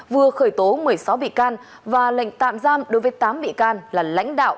vừa khởi tố một mươi sáu bị can và lệnh tạm giam đối với tám bị can là lãnh đạo